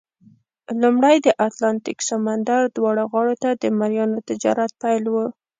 لومړی د اتلانتیک سمندر دواړو غاړو ته د مریانو تجارت پیل وو.